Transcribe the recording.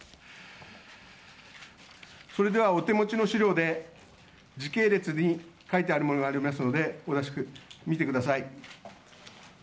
それではお手持ちの資料で時系列順に書いてあるものがありますので見てください。